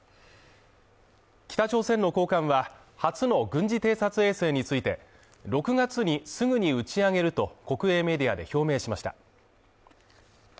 北朝鮮の高官は初の軍事偵察衛星について、６月にすぐに打ち上げると、国営メディアで表明しました。